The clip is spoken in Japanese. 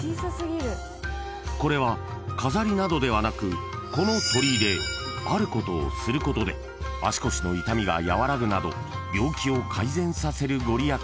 ［これは飾りなどではなくこの鳥居であることをすることで足腰の痛みが和らぐなど病気を改善させる御利益が得られるといわれているんです］